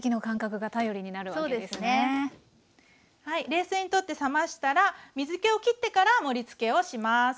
冷水にとって冷ましたら水けをきってから盛りつけをします。